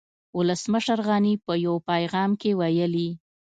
ولسمشر غني په يو پيغام کې ويلي